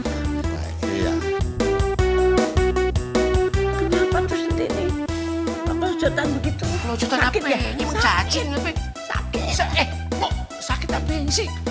eh mau sakit apa ini sih